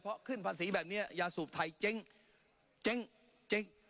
เพราะขึ้นภาษีแบบนี้ยาสูบไทยเจ๊งเจ๊งเจ๊ง